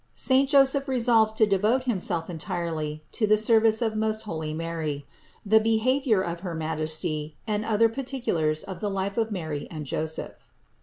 SAINT JOSEPH RESOLVES TO DEVOTE HIMSELF ENTIRELY TO THE SERVICE OF MOST HOLY MARY ; THE BEHAVIOR OF HER MAJESTY, AND OTHER PARTICULARS OF THE LIFE OF MARY AND JOSEPH.